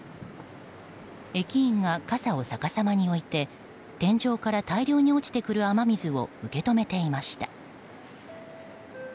駅員が傘を逆さまに置いて天井から大量に落ちてくる雨水を受け止めていました。